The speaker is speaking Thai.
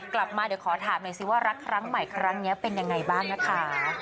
กลับมาเดี๋ยวขอถามหน่อยสิว่ารักครั้งใหม่ครั้งนี้เป็นยังไงบ้างนะคะ